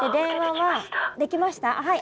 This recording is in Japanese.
はい。